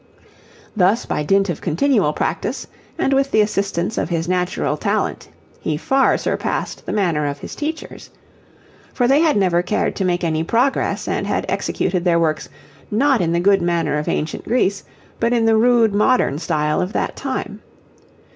Thus by dint of continual practice and with the assistance of his natural talent he far surpassed the manner of his teachers. For they had never cared to make any progress and had executed their works, not in the good manner of ancient Greece, but in the rude modern style of that time.